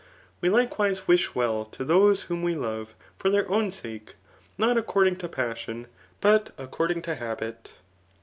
We, likewise, Vish well to those whom we love for their own sake, not according to passion, but accord ing to habit.